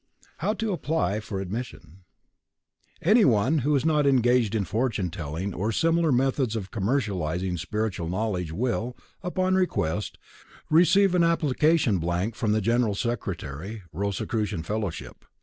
HOW TO APPLY FOR ADMISSION Anyone who is not engaged in fortune telling or similar methods of commercializing spiritual knowledge will, upon request, receive an application blank from the General Secretary, Rosicrucian Fellowship.